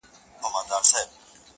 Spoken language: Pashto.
چاته مالونه جایدادونه لیکي -